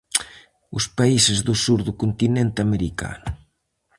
Os países do sur do continente americano.